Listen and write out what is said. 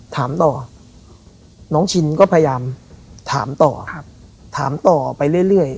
ถามต่อน้องชินก็พยายามถามต่อถามต่อไปเรื่อย